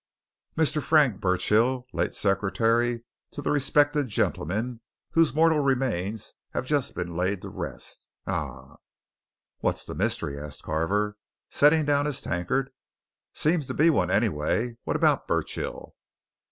Mr. Frank Burchill; late secretary to the respected gentleman whose mortal remains have just been laid to rest. Ah!" "What's the mystery?" asked Carver, setting down his tankard. "Seems to be one, anyway. What about Burchill?"